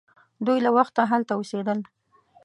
دوی له وخته هلته اوسیدل.